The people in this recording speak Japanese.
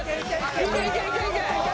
いけいけいけいけ！